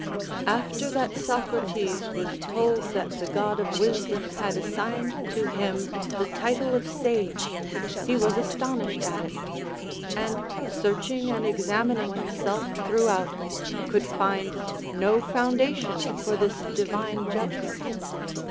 After that Socrates was told that the god of wisdom had assigned to him the title of sage, he was astonished at it, and, searching and examining himself throughout, could find no foundation for this divine judgment.